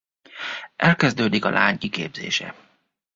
Elkezdődik a lány kiképzése.